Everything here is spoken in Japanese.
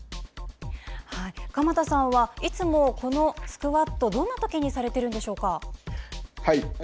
鎌田さんはいつもスクワット、どんなときにされているんでしょうか？